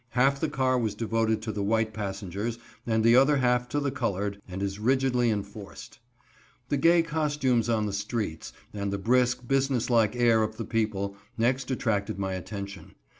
Half the car was devoted to the white passengers and the other half to the colored, and is rigidly enforced. The gay costumes on the streets, and the brisk, business like air of the people, next attracted my attention.